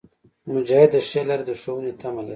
مجاهد د ښې لارې د ښوونې تمه لري.